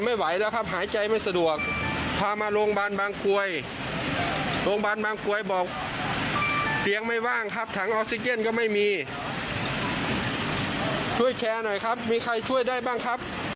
อ้าวได้ด้วยหรอ